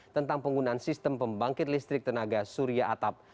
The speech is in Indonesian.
tentang penggunaan sistem pembangkit listrik tenaga surya atap